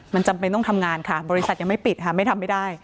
มันจำเป็นต้องทำงานค่ะบริษัทยังไม่ปิดค่ะไม่ทำไม่ได้